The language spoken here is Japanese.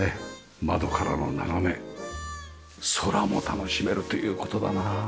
窓からの眺め空も楽しめるという事だな。